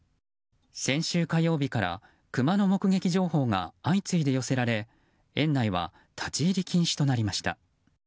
先週火曜日からクマの目撃情報が相次いで寄せられ園内は立ち入り禁止となりました。